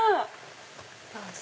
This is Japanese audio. どうぞ。